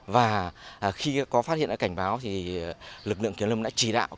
và khi có phát hiện cảnh báo thì lực lượng kiến lâm đã chỉ đạo